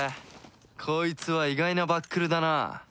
こいつは意外なバックルだな。